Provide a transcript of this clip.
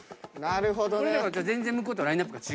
なるほどね。